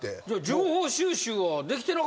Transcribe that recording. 情報収集ができてなかったってこと？